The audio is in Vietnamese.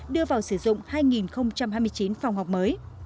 đưa vào sử dụng hai hai mươi chín phòng học mới